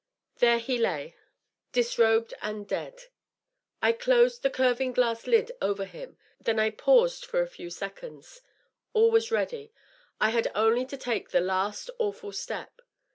There he lay, disrobed DOUGLAS DUANE. 615 and dead. I closed the curving glass lid over him. Then I paused for a few seconds. All was ready. I had only to take the last awful step.